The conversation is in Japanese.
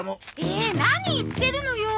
ええ何言ってるのよ。